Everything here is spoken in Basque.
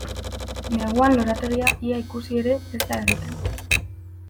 Neguan lorategia ia ikusi ere e da egiten.